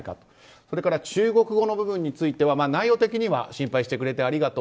それから中国語の部分については内容的には心配してくれてありがとう